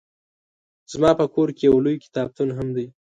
زما په کور کې يو لوی کتابتون هم دی